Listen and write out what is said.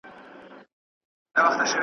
ځه د جهاني وروستي خزان ته غزل ولیکو .